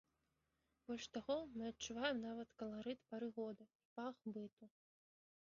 Больш таго, мы адчуваем нават каларыт пары года і пах быту.